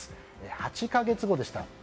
８か月後でした。